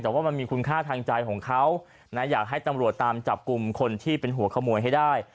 แต่ว่ามันมีคุณค่าทางใจของเขานะอยากให้ตำรวจตามจับกลุ่มคนที่เป็นหัวขโมยให้ได้